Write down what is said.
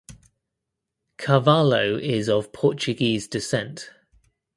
Carvalho is of Portuguese descent.